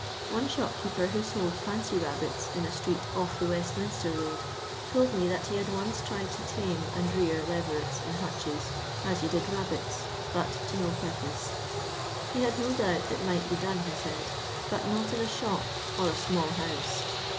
One shopkeeper who sold foncy rabbits in a street off the Westminster road told me that he had once tried to tame and rear levereU in hutches, as he did rabbits, but to no purpose. He had no doubt it might be done, he said, but not in a shop or a small house.